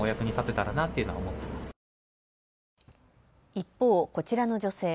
一方、こちらの女性。